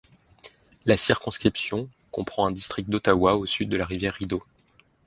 La circonscription comprend un district d'Ottawa au sud de la rivière Rideau.